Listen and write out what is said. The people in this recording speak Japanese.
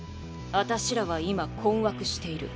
あたしらは今困惑している。